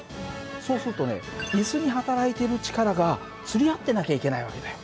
そうするとねイスに働いている力がつり合ってなきゃいけない訳だよ。